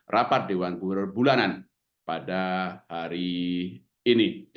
rapat dewan kur bulanan pada hari ini